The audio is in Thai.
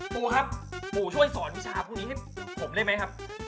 ปูครับปู่ช่วยสอนวิชาพวกนี้ให้ผมได้ไหมครับ